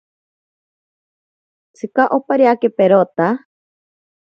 Tsika opariake perota.